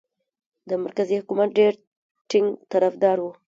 د مرکزي حکومت ډېر ټینګ طرفدار وو.